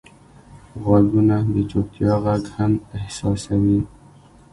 غوږونه د چوپتیا غږ هم احساسوي